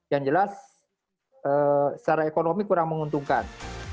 yang jelas secara ekonomi kurang menguntungkan